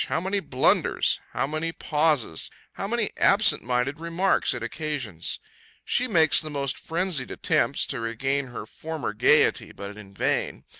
How many blunders, how many pauses, how many absent minded remarks it occasions! She makes the most frenzied attempts to regain her former gayety, but in vain.